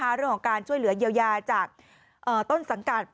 เรื่องของการช่วยเหลือเยียวยาจากต้นสังกัด